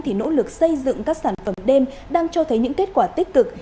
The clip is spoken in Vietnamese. thì nỗ lực xây dựng các sản phẩm đêm đang cho thấy những kết quả tích cực